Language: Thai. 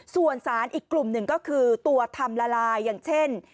ส่วนสารอีกกลุ่มหนึ่งก็คือตัวทำละลายอย่างเช่น